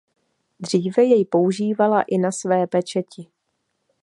Dříve jej používala i na své pečeti.